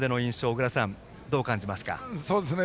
小倉さん、どう感じますか？